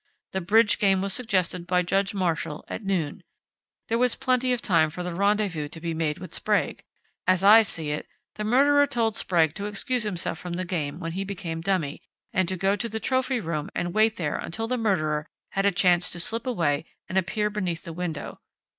The bridge game was suggested by Judge Marshall at noon. There was plenty of time for the rendezvous to be made with Sprague. As I see it, the murderer told Sprague to excuse himself from the game when he became dummy, and to go to the trophy room and wait there until the murderer had a chance to slip away and appear beneath the window.